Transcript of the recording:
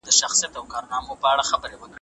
د ډيموکراسۍ اصلي ښکلا په سياسي زغم کي نغښتې ده.